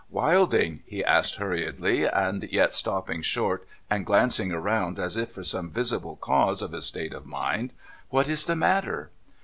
' Wilding,' he asked hurriedly, and yet stopping short and glancing 49* NO THOROUGHFARE around as if for some visible cause of his state of mind :* what is the matter